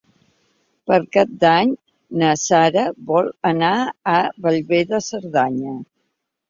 Per Cap d'Any na Sara vol anar a Bellver de Cerdanya.